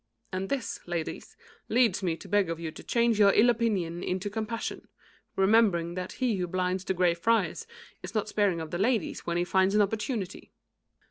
And this, ladies, leads me to beg of you to change your ill opinion into compassion, remembering that he (3) who blinds the Grey Friars is not sparing of the ladies when he finds an opportunity."